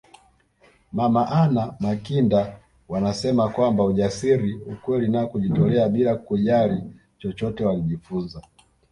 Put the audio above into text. Mama Anna Makinda wanasema kwamba ujasiri ukweli na kujitolea bila kujali chochote walijifunza